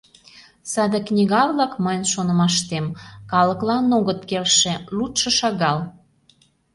Саде книга-влак, мыйын шонымаштем, калыклан огыт келше, лудшо шагал.